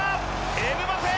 エムバペ！